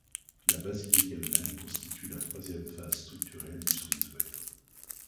La basilique elle-même constitue la troisième phase structurelle du sanctuaire.